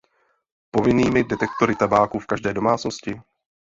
Povinnými detektory tabáku v každé domácnosti?